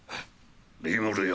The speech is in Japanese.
リムルよ